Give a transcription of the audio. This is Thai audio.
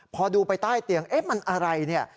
พอดูไปใต้เตียงเอ๊ะมันอะไรเนี่ย